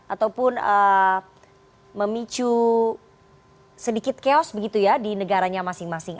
ataupun memicu sedikit chaos di negaranya masing masing